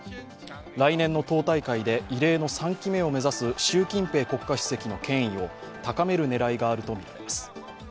来年の党大会で異例の３期目を目指す習近平国家主席の権威を高める狙いがあるとみられます。